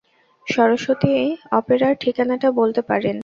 সরস্বতী অপেরার ঠিকানাটা বলতে পারেন।